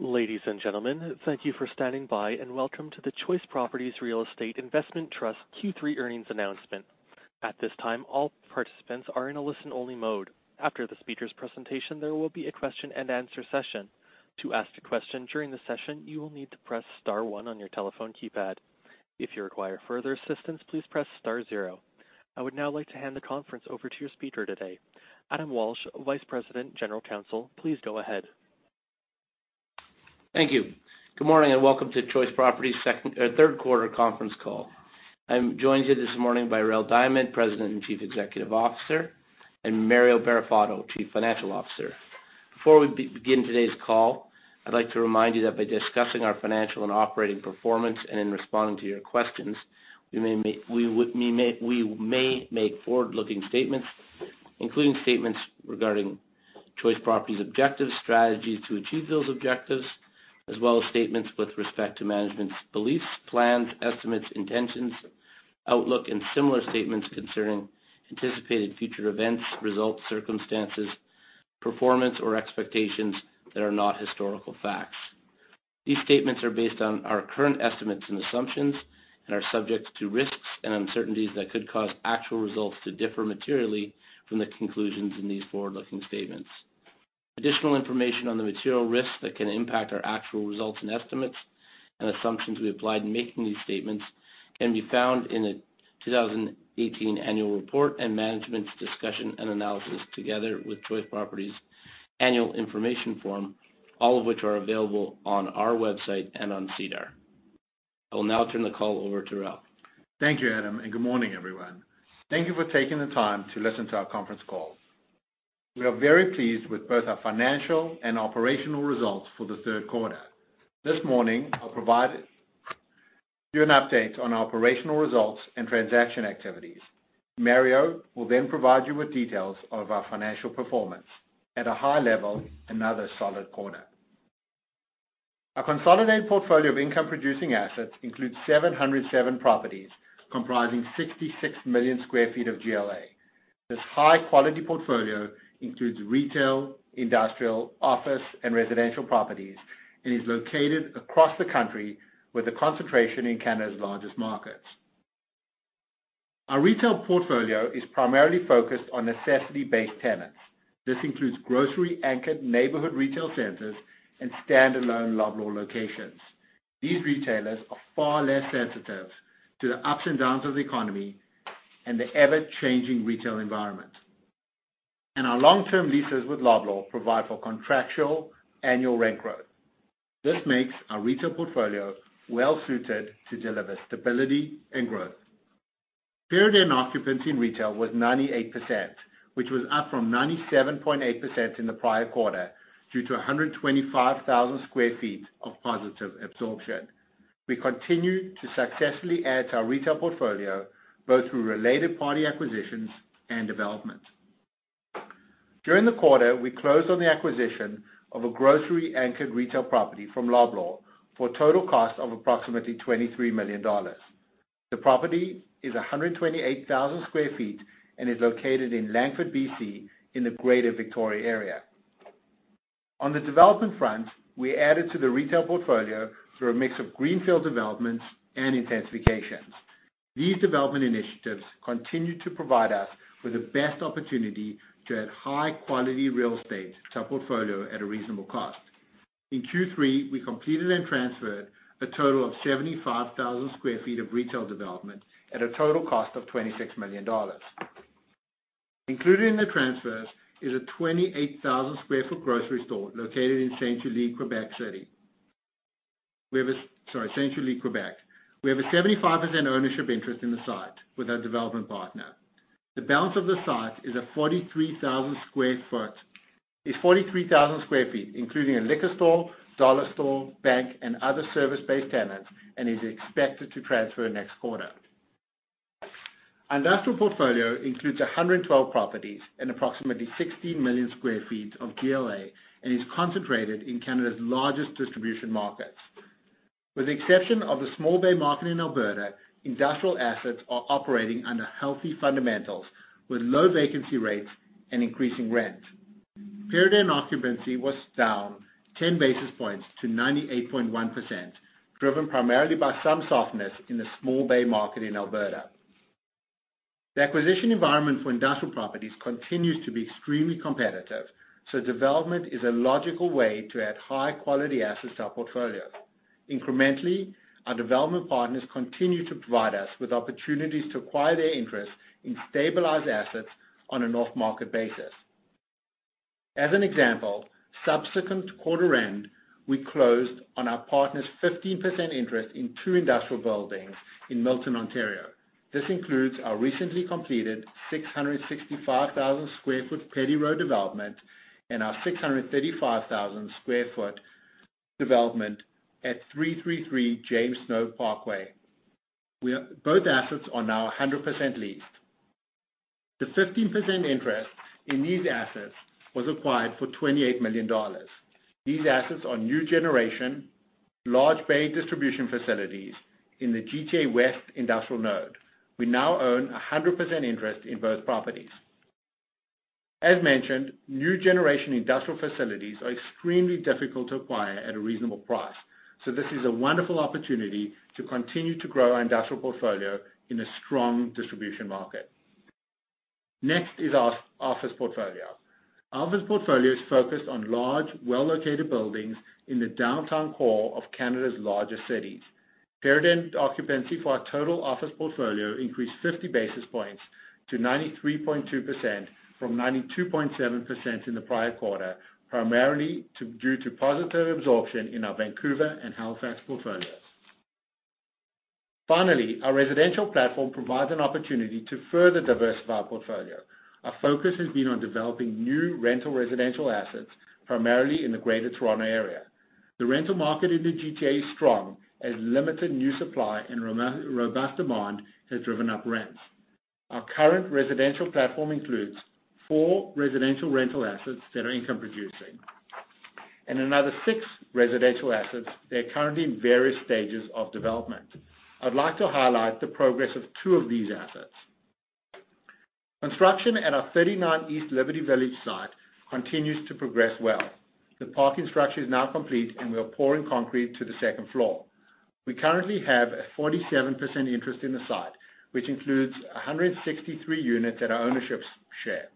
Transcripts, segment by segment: Ladies and gentlemen, thank you for standing by, and welcome to the Choice Properties Real Estate Investment Trust Q3 earnings announcement. At this time, all participants are in a listen-only mode. After the speakers' presentation, there will be a question and answer session. To ask a question during the session, you will need to press star one on your telephone keypad. If you require further assistance, please press star zero. I would now like to hand the conference over to your speaker today, Adam Walsh, Vice President General Counsel. Please go ahead. Thank you. Good morning, welcome to Choice Properties' third quarter conference call. I'm joined here this morning by Rael Diamond, President and Chief Executive Officer, and Mario Barrafato, Chief Financial Officer. Before we begin today's call, I'd like to remind you that by discussing our financial and operating performance and in responding to your questions, we may make forward-looking statements, including statements regarding Choice Properties objectives, strategies to achieve those objectives, as well as statements with respect to management's beliefs, plans, estimates, intentions, outlook, and similar statements concerning anticipated future events, results, circumstances, performance, or expectations that are not historical facts. These statements are based on our current estimates and assumptions and are subject to risks and uncertainties that could cause actual results to differ materially from the conclusions in these forward-looking statements. Additional information on the material risks that can impact our actual results and estimates and assumptions we applied in making these statements can be found in the 2018 annual report and Management's Discussion and Analysis, together with Choice Properties Annual Information Form, all of which are available on our website and on SEDAR. I will now turn the call over to Rael. Thank you, Adam. Good morning, everyone. Thank you for taking the time to listen to our conference call. We are very pleased with both our financial and operational results for the third quarter. This morning, I'll provide you an update on our operational results and transaction activities. Mario will provide you with details of our financial performance. At a high level, another solid quarter. Our consolidated portfolio of income-producing assets includes 707 properties comprising 66 million square feet of GLA. This high-quality portfolio includes retail, industrial, office, and residential properties and is located across the country with a concentration in Canada's largest markets. Our retail portfolio is primarily focused on necessity-based tenants. This includes grocery-anchored neighborhood retail centers and standalone Loblaw locations. These retailers are far less sensitive to the ups and downs of the economy and the ever-changing retail environment. Our long-term leases with Loblaw provide for contractual annual rent growth. This makes our retail portfolio well-suited to deliver stability and growth. Period-end occupancy in retail was 98%, which was up from 97.8% in the prior quarter due to 125,000 sq ft of positive absorption. We continue to successfully add to our retail portfolio, both through related party acquisitions and development. During the quarter, we closed on the acquisition of a grocery-anchored retail property from Loblaw for a total cost of approximately 23 million dollars. The property is 128,000 sq ft and is located in Langford, BC, in the Greater Victoria area. On the development front, we added to the retail portfolio through a mix of greenfield developments and intensifications. These development initiatives continue to provide us with the best opportunity to add high-quality real estate to our portfolio at a reasonable cost. In Q3, we completed and transferred a total of 75,000 sq ft of retail development at a total cost of 26 million dollars. Included in the transfers is a 28,000-square-foot grocery store located in Saint-Julie, Quebec. Sorry, Saint-Julie, Quebec. We have a 75% ownership interest in the site with our development partner. The balance of the site is 43,000 sq ft, including a liquor store, dollar store, bank, and other service-based tenants, and is expected to transfer next quarter. Industrial portfolio includes 112 properties and approximately 16 million sq ft of GLA and is concentrated in Canada's largest distribution markets. With the exception of the small bay market in Alberta, industrial assets are operating under healthy fundamentals with low vacancy rates and increasing rent. Period-end occupancy was down 10 basis points to 98.1%, driven primarily by some softness in the small bay market in Alberta. The acquisition environment for industrial properties continues to be extremely competitive, development is a logical way to add high-quality assets to our portfolio. Incrementally, our development partners continue to provide us with opportunities to acquire their interest in stabilized assets on an off-market basis. As an example, subsequent to quarter end, we closed on our partner's 15% interest in two industrial buildings in Milton, Ontario. This includes our recently completed 665,000 sq ft Petty Road development and our 635,000 sq ft development at 333 James Snow Parkway. Both assets are now 100% leased. The 15% interest in these assets was acquired for 28 million dollars. These assets are new generation, large bay distribution facilities in the GTA West industrial node. We now own 100% interest in both properties. As mentioned, new generation industrial facilities are extremely difficult to acquire at a reasonable price. This is a wonderful opportunity to continue to grow our industrial portfolio in a strong distribution market. Next is our office portfolio. Our office portfolio is focused on large, well-located buildings in the downtown core of Canada's largest cities. Period-end occupancy for our total office portfolio increased 50 basis points to 93.2% from 92.7% in the prior quarter, primarily due to positive absorption in our Vancouver and Halifax portfolios. Finally, our residential platform provides an opportunity to further diversify our portfolio. Our focus has been on developing new rental residential assets, primarily in the Greater Toronto Area. The rental market in the GTA is strong as limited new supply and robust demand has driven up rents. Our current residential platform includes four residential rental assets that are income producing. Another six residential assets that are currently in various stages of development. I'd like to highlight the progress of two of these assets. Construction at our 39 East Liberty Village site continues to progress well. The parking structure is now complete, and we are pouring concrete to the second floor. We currently have a 47% interest in the site, which includes 163 units at our ownership share.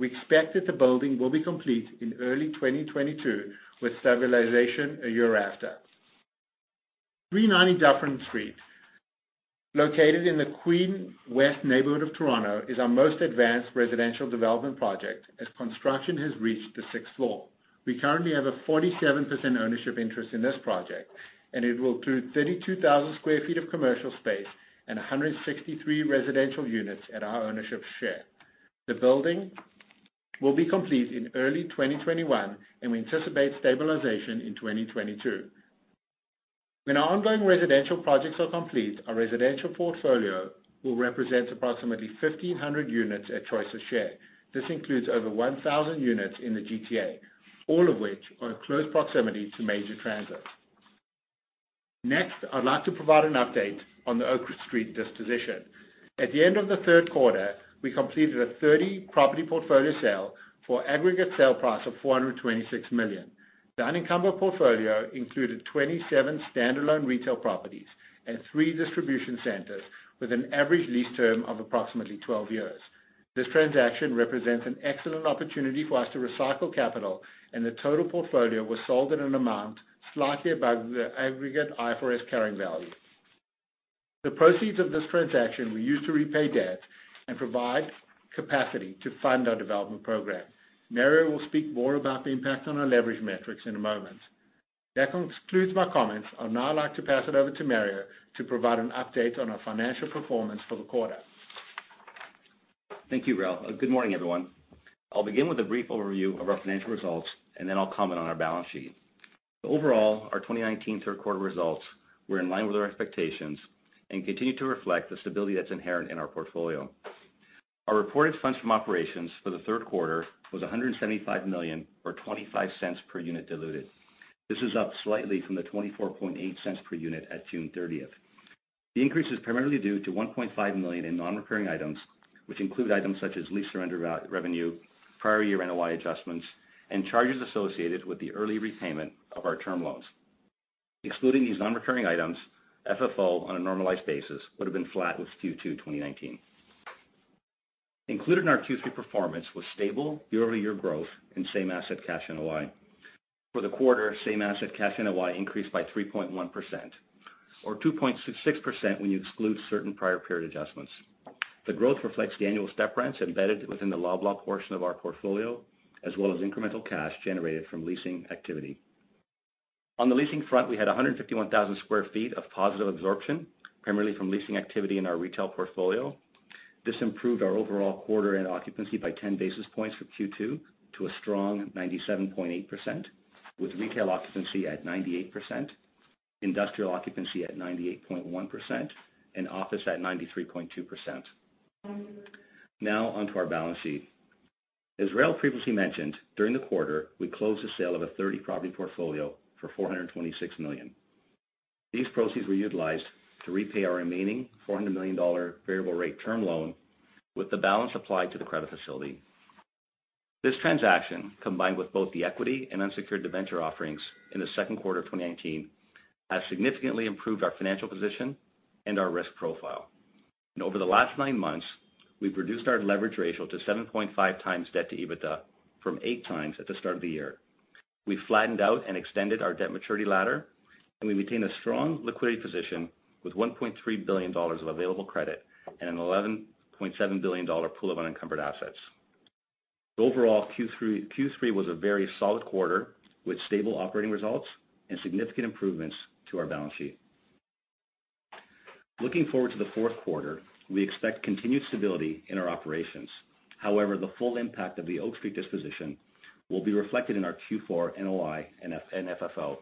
We expect that the building will be complete in early 2022 with stabilization a year after. 390 Dufferin Street, located in the Queen West neighborhood of Toronto, is our most advanced residential development project, as construction has reached the sixth floor. We currently have a 47% ownership interest in this project. It will include 32,000 sq ft of commercial space and 163 residential units at our ownership share. The building will be complete in early 2021. We anticipate stabilization in 2022. When our ongoing residential projects are complete, our residential portfolio will represent approximately 1,500 units at Choice's share. This includes over 1,000 units in the GTA, all of which are in close proximity to major transit. Next, I'd like to provide an update on the Oak Street disposition. At the end of the third quarter, we completed a 30-property portfolio sale for aggregate sale price of 426 million. The unencumbered portfolio included 27 standalone retail properties and three distribution centers with an average lease term of approximately 12 years. This transaction represents an excellent opportunity for us to recycle capital, and the total portfolio was sold at an amount slightly above the aggregate IFRS carrying value. The proceeds of this transaction we used to repay debt and provide capacity to fund our development program. Mario will speak more about the impact on our leverage metrics in a moment. That concludes my comments. I'd now like to pass it over to Mario to provide an update on our financial performance for the quarter. Thank you, Rael. Good morning, everyone. I'll begin with a brief overview of our financial results, then I'll comment on our balance sheet. Overall, our 2019 third quarter results were in line with our expectations and continue to reflect the stability that's inherent in our portfolio. Our reported funds from operations for the third quarter was 175 million, or 0.25 per unit diluted. This is up slightly from the 0.248 per unit at June 30th. The increase is primarily due to 1.5 million in non-recurring items, which include items such as lease surrender revenue, prior year NOI adjustments, and charges associated with the early repayment of our term loans. Excluding these non-recurring items, FFO on a normalized basis would have been flat with Q2 2019. Included in our Q3 performance was stable year-over-year growth in same asset cash NOI. For the quarter, same asset cash NOI increased by 3.1%, or 2.6% when you exclude certain prior period adjustments. The growth reflects the annual step rents embedded within the Loblaw portion of our portfolio, as well as incremental cash generated from leasing activity. On the leasing front, we had 151,000 square feet of positive absorption, primarily from leasing activity in our retail portfolio. This improved our overall quarter-end occupancy by 10 basis points from Q2 to a strong 97.8%, with retail occupancy at 98%, industrial occupancy at 98.1%, and office at 93.2%. Now, on to our balance sheet. As Rael previously mentioned, during the quarter, we closed the sale of a 30-property portfolio for 426 million. These proceeds were utilized to repay our remaining 400 million dollar variable rate term loan, with the balance applied to the credit facility. This transaction, combined with both the equity and unsecured debenture offerings in the second quarter of 2019, has significantly improved our financial position and our risk profile. Over the last nine months, we've reduced our leverage ratio to 7.5 times debt to EBITDA from eight times at the start of the year. We've flattened out and extended our debt maturity ladder, and we maintain a strong liquidity position with 1.3 billion dollars of available credit and an 11.7 billion dollar pool of unencumbered assets. Overall, Q3 was a very solid quarter with stable operating results and significant improvements to our balance sheet. Looking forward to the fourth quarter, we expect continued stability in our operations. However, the full impact of the Oak Street disposition will be reflected in our Q4 NOI and FFO.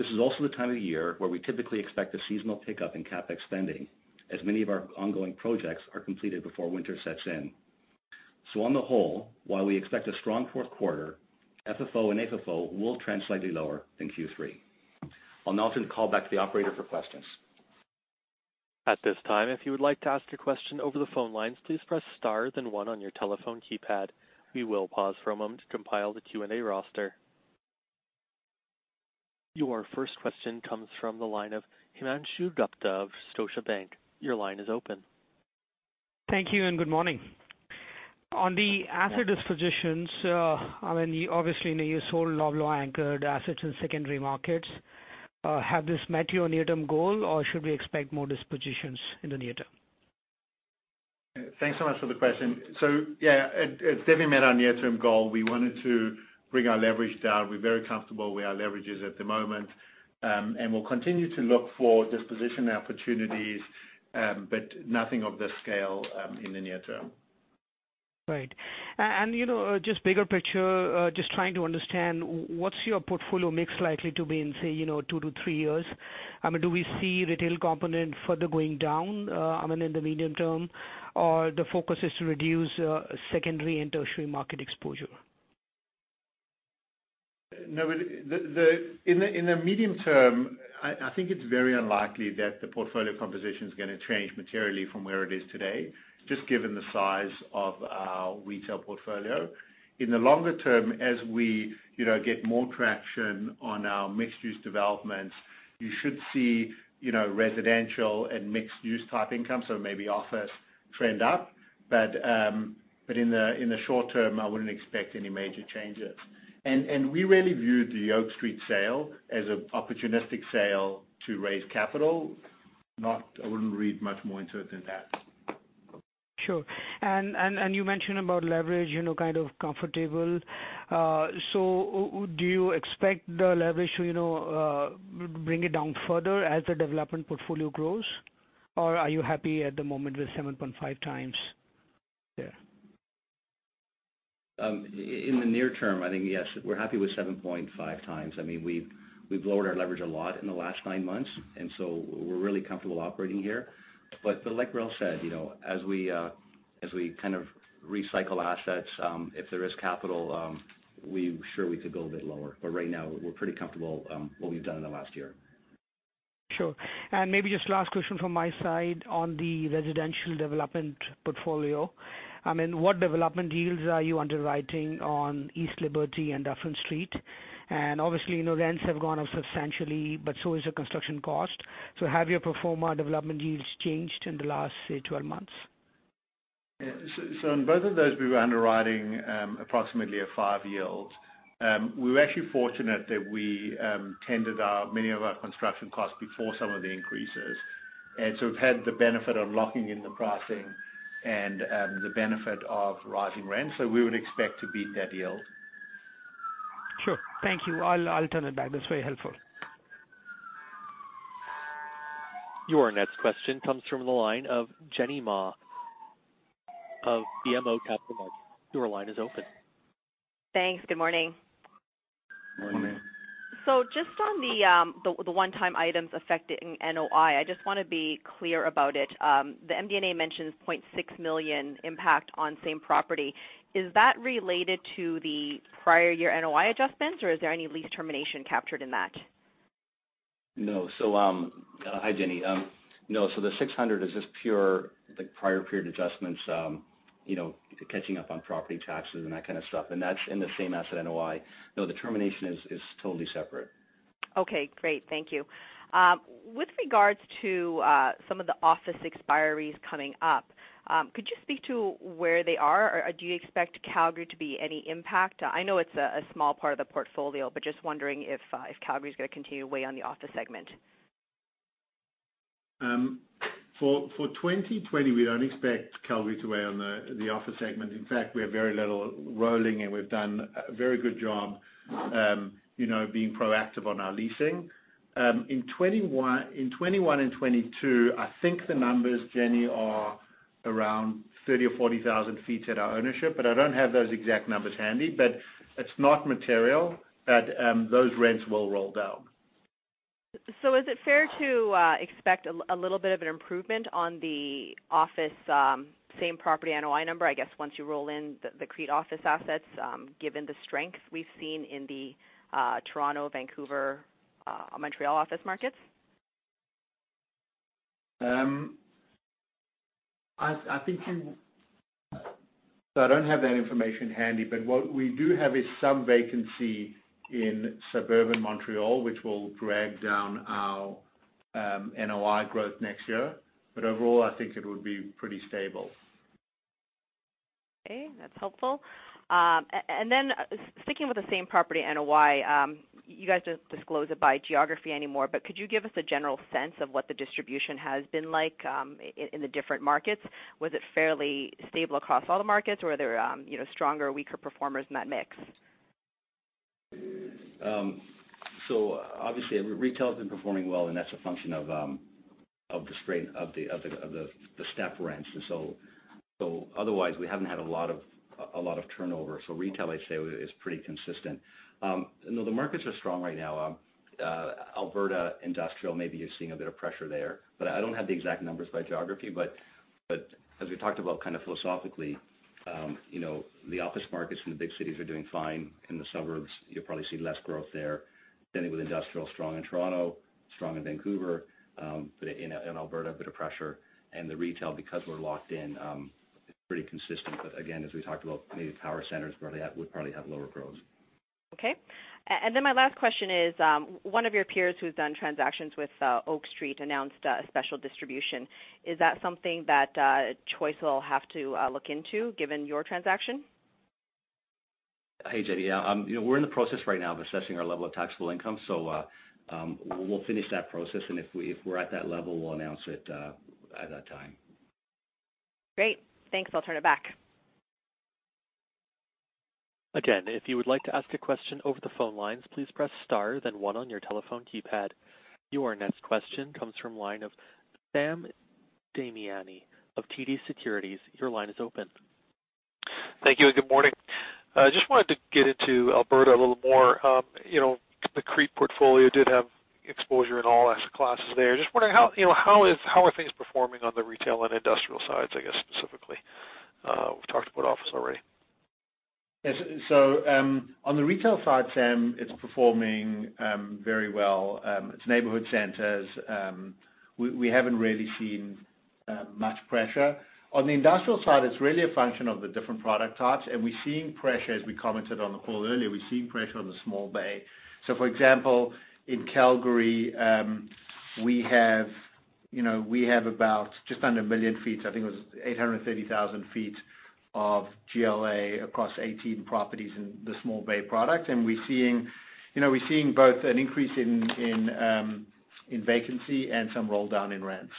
This is also the time of year where we typically expect a seasonal pickup in CapEx spending, as many of our ongoing projects are completed before winter sets in. On the whole, while we expect a strong fourth quarter, FFO and AFFO will trend slightly lower than Q3. I'll now turn the call back to the operator for questions. At this time, if you would like to ask a question over the phone lines, please press star then one on your telephone keypad. We will pause for a moment to compile the Q&A roster. Your first question comes from the line of Himanshu Gupta of Scotiabank. Your line is open. Thank you and good morning. On the asset dispositions, obviously, you sold grocery-anchored assets in secondary markets. Has this met your near-term goal, or should we expect more dispositions in the near term? Thanks so much for the question. It's definitely met our near-term goal. We wanted to bring our leverage down. We're very comfortable where our leverage is at the moment, and we'll continue to look for disposition opportunities, but nothing of this scale in the near term. Right. Just bigger picture, just trying to understand what's your portfolio mix likely to be in, say, two to three years? Do we see retail component further going down in the medium term, or the focus is to reduce secondary and tertiary market exposure? No, in the medium term, I think it's very unlikely that the portfolio composition is going to change materially from where it is today, just given the size of our retail portfolio. In the longer term, as we get more traction on our mixed-use developments, you should see residential and mixed-use type income, so maybe office trend up. In the short term, I wouldn't expect any major changes. We really viewed the Oak Street sale as an opportunistic sale to raise capital. I wouldn't read much more into it than that. Sure. You mentioned about leverage, kind of comfortable. Do you expect the leverage to bring it down further as the development portfolio grows, or are you happy at the moment with 7.5x there? In the near term, I think, yes, we're happy with 7.5 times. We've lowered our leverage a lot in the last nine months. We're really comfortable operating here. Like Rael said, as we recycle assets, if there is capital, I'm sure we could go a bit lower. Right now, we're pretty comfortable what we've done in the last year. Sure. Maybe just last question from my side on the residential development portfolio. What development yields are you underwriting on East Liberty and Dufferin Street? Obviously, rents have gone up substantially, but so has the construction cost. Have your pro forma development yields changed in the last, say, 12 months? In both of those, we were underwriting approximately a five yield. We were actually fortunate that we tended many of our construction costs before some of the increases. We've had the benefit of locking in the pricing and the benefit of rising rents. We would expect to beat that yield. Sure. Thank you. I'll turn it back. That's very helpful. Your next question comes from the line of Jenny Ma of BMO Capital Markets. Your line is open. Thanks. Good morning. Morning. Morning. Just on the one-time items affecting NOI, I just want to be clear about it. The MD&A mentions 0.6 million impact on same property. Is that related to the prior year NOI adjustments, or is there any lease termination captured in that? No. Hi, Jenny. No. The 600 is just pure prior period adjustments, catching up on property taxes and that kind of stuff. That's in the same asset NOI. No, the termination is totally separate. Okay, great. Thank you. With regards to some of the office expiries coming up, could you speak to where they are? Do you expect Calgary to be any impact? I know it's a small part of the portfolio, but just wondering if Calgary is going to continue to weigh on the office segment. For 2020, we don't expect Calgary to weigh on the office segment. We have very little rolling, and we've done a very good job being proactive on our leasing. In 2021 and 2022, I think the numbers, Jenny, are around 30,000 or 40,000 feet at our ownership, but I don't have those exact numbers handy. It's not material that those rents will roll down. Is it fair to expect a little bit of an improvement on the office same property NOI number, I guess, once you roll in the CREIT office assets, given the strength we've seen in the Toronto, Vancouver, Montreal office markets? I don't have that information handy, but what we do have is some vacancy in suburban Montreal, which will drag down our NOI growth next year. Overall, I think it would be pretty stable. Okay, that's helpful. Sticking with the same property NOI, you guys don't disclose it by geography anymore, but could you give us a general sense of what the distribution has been like in the different markets? Was it fairly stable across all the markets, or are there stronger or weaker performers in that mix? Obviously, retail's been performing well, and that's a function of the strength of the step rents. Otherwise, we haven't had a lot of turnover. Retail, I'd say, is pretty consistent. No, the markets are strong right now. Alberta industrial, maybe you're seeing a bit of pressure there, but I don't have the exact numbers by geography. As we talked about kind of philosophically, the office markets in the big cities are doing fine. In the suburbs, you'll probably see less growth there. Same thing with industrial, strong in Toronto, strong in Vancouver, but in Alberta, a bit of pressure. The retail, because we're locked in, pretty consistent. Again, as we talked about, maybe power centers would probably have lower growth. Okay. My last question is, one of your peers who's done transactions with Oak Street announced a special distribution. Is that something that Choice will have to look into given your transaction? Hey, Jenny. We're in the process right now of assessing our level of taxable income, so we'll finish that process, and if we're at that level, we'll announce it at that time. Great. Thanks. I'll turn it back. Again, if you would like to ask a question over the phone lines, please press star then one on your telephone keypad. Your next question comes from line of Sam Damiani of TD Securities. Your line is open. Thank you. Good morning. I just wanted to get into Alberta a little more. The CREIT portfolio did have exposure in all asset classes there. Just wondering how are things performing on the retail and industrial sides, I guess specifically. We've talked about office already. Yes. On the retail side, Sam, it's performing very well. It's neighborhood centers. We haven't really seen much pressure. On the industrial side, it's really a function of the different product types, and we're seeing pressure, as we commented on the call earlier, we're seeing pressure on the small bay. For example, in Calgary, we have about just under 1 million sq ft, I think it was 830,000 sq ft of GLA across 18 properties in the small bay product. We're seeing both an increase in vacancy and some roll down in rents.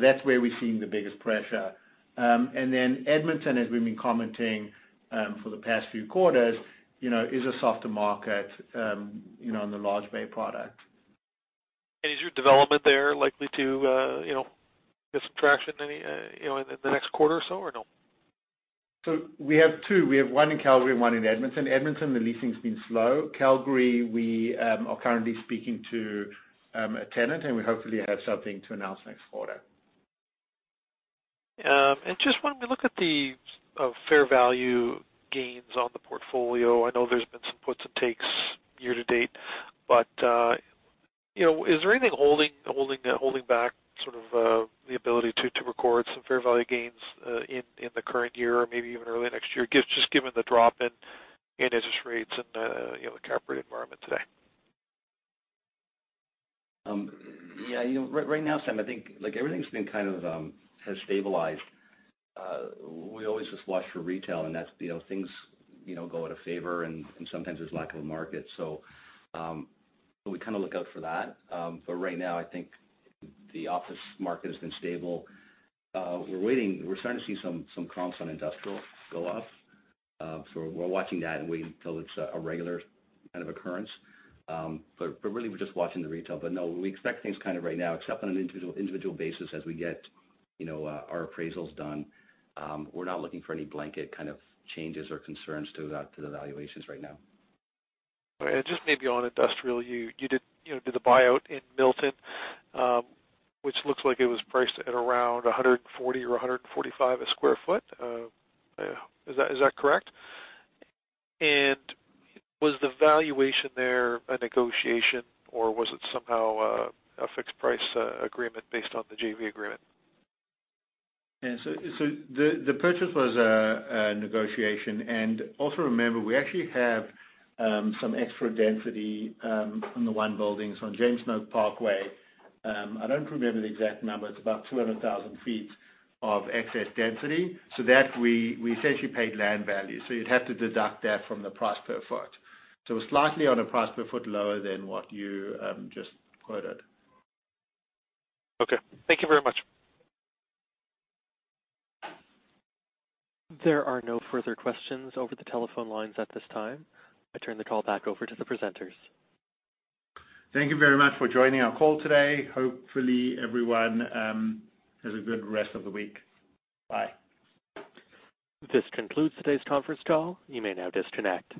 That's where we're seeing the biggest pressure. Edmonton, as we've been commenting for the past few quarters, is a softer market in the large bay product. Is your development there likely to get some traction in the next quarter or so, or no? We have two. We have one in Calgary and one in Edmonton. Edmonton, the leasing's been slow. Calgary, we are currently speaking to a tenant, and we hopefully have something to announce next quarter. Just when we look at the fair value gains on the portfolio, I know there's been some puts and takes year to date, but is there anything holding back sort of the ability to record some fair value gains in the current year or maybe even early next year, just given the drop in interest rates and the cap rate environment today? Right now, Sam, I think everything's been kind of has stabilized. We always just watch for retail, things go out of favor and sometimes there's lack of a market. We kind of look out for that. Right now I think the office market has been stable. We're starting to see some comps on industrial go off. We're watching that and waiting till it's a regular kind of occurrence. Really, we're just watching the retail. No, we expect things kind of right now, except on an individual basis as we get our appraisals done. We're not looking for any blanket kind of changes or concerns to the valuations right now. Just maybe on industrial, you did the buyout in Milton, which looks like it was priced at around 140 or 145 a square foot. Is that correct? Was the valuation there a negotiation or was it somehow a fixed price agreement based on the JV agreement? Yeah. The purchase was a negotiation. Also remember, we actually have some extra density on the one buildings on James Snow Parkway. I don't remember the exact number. It's about 200,000 feet of excess density. That we essentially paid land value. You'd have to deduct that from the price per foot. Slightly on a price per foot lower than what you just quoted. Okay. Thank you very much. There are no further questions over the telephone lines at this time. I turn the call back over to the presenters. Thank you very much for joining our call today. Hopefully everyone has a good rest of the week. Bye. This concludes today's conference call. You may now disconnect.